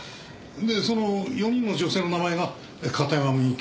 でその４人の女性の名前が片山みゆき